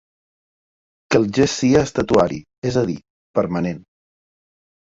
Que el gest sia estatuari, és a dir, permanent